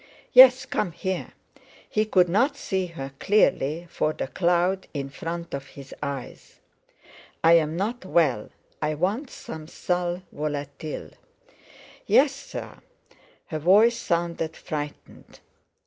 "Yes, come here"; he could not see her clearly, for the cloud in front of his eyes. "I'm not well, I want some sal volatile." "Yes, sir." Her voice sounded frightened.